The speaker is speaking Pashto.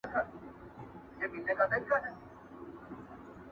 افغانستان وم سره لمبه دي کړمه،